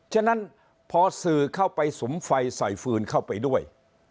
ฉะนั้นพอสื่อเข้าไปสุมไฟใส่ฟืนเข้าไปด้วย